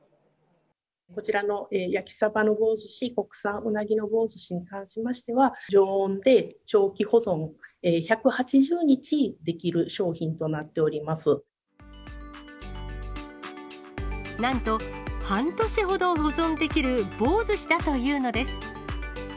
こちらの焼きさばの棒ずし、国産うなぎの棒ずしに関しましては、常温で長期保存、１８０日でなんと、半年ほど保存できる棒ずしだというのです。